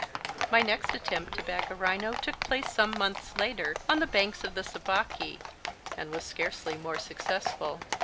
My next attempt to bag a rhino took place some months later, on the banks of the Sabaki, and was scarcely more successful.